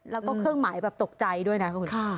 แล้วก็เครื่องหมายแบบตกใจด้วยนะคุณ